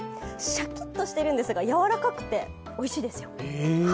シャキッとしているんですがやわらかくて、おいしいですよ。